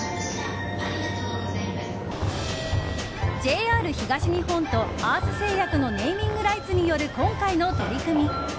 ＪＲ東日本とアース製薬のネーミングライツによる今回の取り組み。